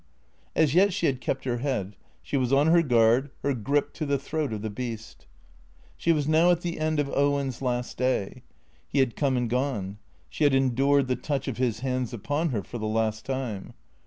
As yet she had kept her head. She was on her guard, her grip to the throat of the beast. She was now at the end of Owen's last day. He had come and gone. She had endured the touch of his hands upon her for the last time.